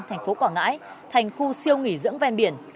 thành phố quảng ngãi thành khu siêu nghỉ dưỡng ven biển